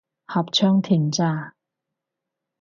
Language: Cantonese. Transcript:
合唱團咋